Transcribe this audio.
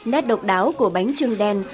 nét độc đáo của bánh trưng đen